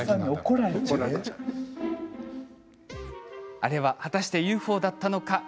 あれは果たしてＵＦＯだったのか。